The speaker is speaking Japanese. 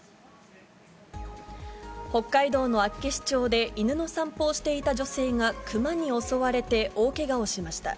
北海道の厚岸町で、犬の散歩をしていた女性がクマに襲われて大けがをしました。